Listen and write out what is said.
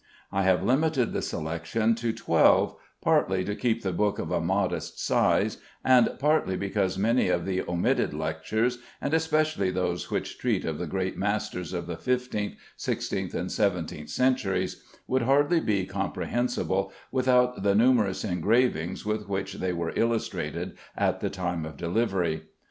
I have limited the selection to twelve, partly to keep the book of a modest size, and partly because many of the omitted lectures (and especially those which treat of the great masters of the fifteenth, sixteenth, and seventeenth centuries) would hardly be comprehensible without the numerous engravings with which they were illustrated at the time of delivery.